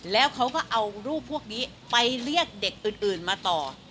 แล้วเขาก็เอารูปพวกนี้ไปเรียกเด็กอื่นมาต่อ